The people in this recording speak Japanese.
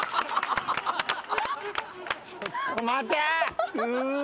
ちょっと待て！